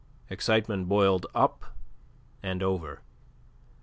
Excitement boiled up and over.